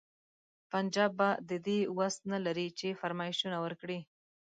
پنجاب به د دې وس نه لري چې فرمایشونه ورکړي.